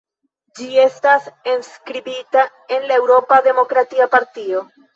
Ĝi estas enskribita en la Eŭropa Demokratia Partio.